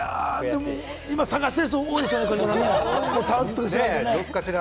今探している人多いでしょうね、タンスとか。